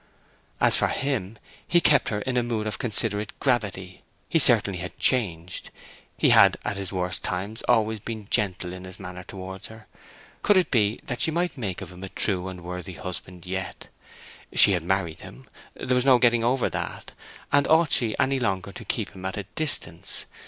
As for him, he kept her in a mood of considerate gravity. He certainly had changed. He had at his worst times always been gentle in his manner towards her. Could it be that she might make of him a true and worthy husband yet? She had married him; there was no getting over that; and ought she any longer to keep him at a distance?